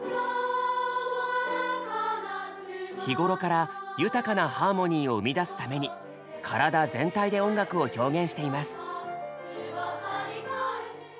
日頃から豊かなハーモニーを生み出すために体全体で音楽を表現しています。